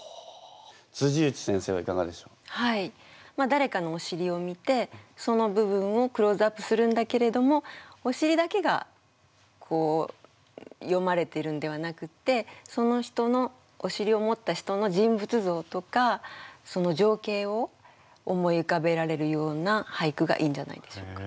だれかのおしりを見てその部分をクローズアップするんだけれどもおしりだけがよまれてるんではなくってその人のおしりを持った人の人物像とかその情景を思い浮かべられるような俳句がいいんじゃないでしょうか。